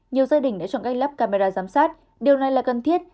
nhiều gia đình đã chọn cách lắp camera giám sát điều này là cần thiết